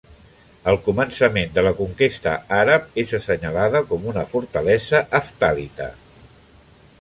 Al començament de la conquesta àrab és assenyalada com una fortalesa heftalita.